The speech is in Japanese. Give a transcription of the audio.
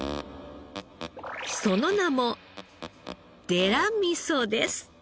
その名も「デラみそ」です。